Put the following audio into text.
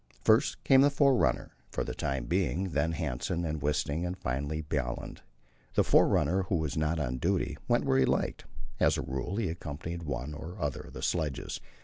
First came the forerunner for the time being, then Hanssen, then Wisting, and finally Bjaaland. The forerunner who was not on duty went where he liked; as a rule he accompanied one or other of the sledges.